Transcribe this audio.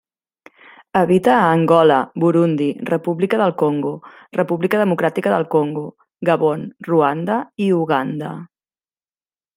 Habita a Angola, Burundi, República del Congo, República Democràtica del Congo, Gabon, Ruanda i Uganda.